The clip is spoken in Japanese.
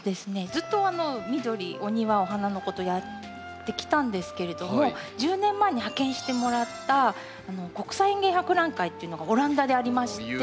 ずっと緑お庭お花のことやってきたんですけれども１０年前に派遣してもらった国際園芸博覧会っていうのがオランダでありまして。